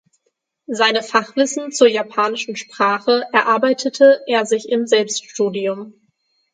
Seine Fachwissen zur japanischen Sprache erarbeitete er sich im Selbststudium.